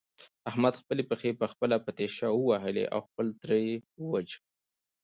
احمد خپلې پښې په خپله په تېشه ووهلې او خپل تره يې وواژه.